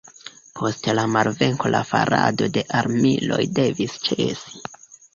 Post la malvenko la farado de armiloj devis ĉesi.